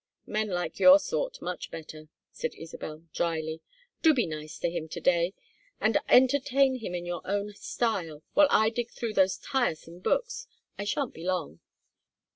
"Men like your sort much better," said Isabel, dryly. "Do be nice to him to day, and entertain him in your own style while I dig through those tiresome books. I sha'n't be long."